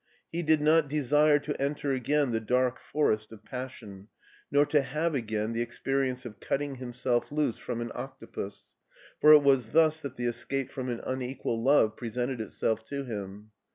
He did not de sire to enter again the dark forest of passion, nor to have again the experience of cutting himself loose from an octopus, for it was thus that the escape from an unequal love presented itself to him.